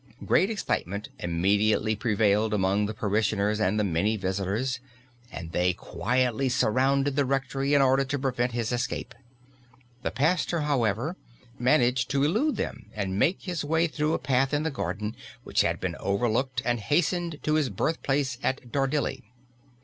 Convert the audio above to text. Great excitement immediately prevailed among the parishioners and the many visitors, and they quietly surrounded the rectory in order to prevent his escape. The pastor, however, managed to elude them and made his way through a path in the garden which had been overlooked and hastened to his birth place at Dardilly.